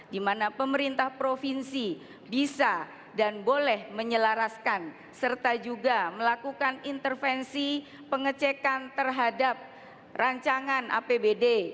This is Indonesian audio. di mana pemerintah provinsi bisa dan boleh menyelaraskan serta juga melakukan intervensi pengecekan terhadap rancangan apbd